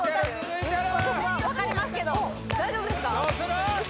私は分かりますけど大丈夫ですか？